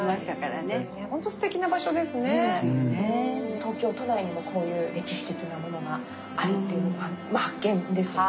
東京都内にもこういう歴史的なものがあるというのはまあ発見ですよね。